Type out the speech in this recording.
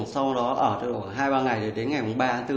sau đó ở hai ba ngày đến ngày ba bốn